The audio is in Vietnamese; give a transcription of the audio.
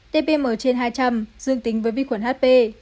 tm trên hai trăm linh dương tính với vi khuẩn hp